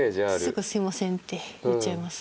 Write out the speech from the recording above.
すぐ「すみません」って言っちゃいます。